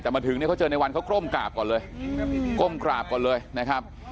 แต่มาถึงเนี่ยเขาเจอในวันเขาก้มกราบก่อนเลยก้มกราบก่อนเลยนะครับ